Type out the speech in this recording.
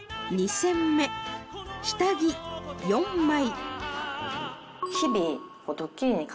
２選目下着４枚